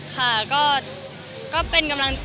พี่โน่ได้ให้กำลังใจอะไรดิฉัน